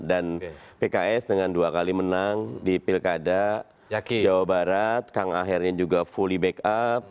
dan pks dengan dua kali menang di pilkada jawa barat kang akhirnya juga fully back up